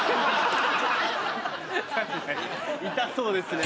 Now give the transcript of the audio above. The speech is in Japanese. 痛そうですね。